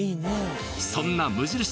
そんな無印